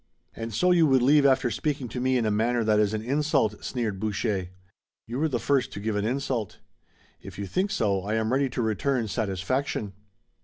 "And so you would leave after speaking to me in a manner that is an insult," sneered Boucher. "You were the first to give an insult." "If you think so I am ready to return satisfaction."